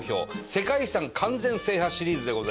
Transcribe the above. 世界遺産完全制覇シリーズでございます。